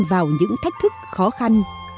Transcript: vào những thách thức khó khăn